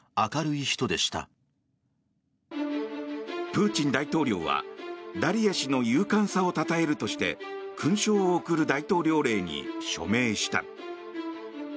プーチン大統領は、ダリヤ氏の勇敢さをたたえるとして勲章を贈る大統領令に署名した。